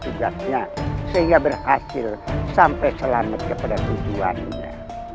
tugasnya sehingga berhasil sampai selamat kepada tujuannya